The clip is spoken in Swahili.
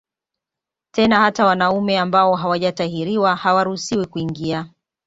Tena hata wanaume ambao hawajatahiriwa hawaruhusiwi kuingia